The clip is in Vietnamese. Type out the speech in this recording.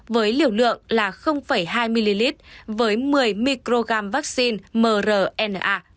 với liều lượng là hai ml với một mươi microgram vaccine mrna